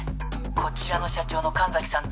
こちらの社長の神崎さんって。